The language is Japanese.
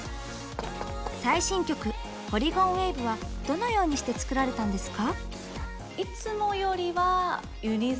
最新曲「ポリゴンウェイヴ」はどのようにして作られたんですか？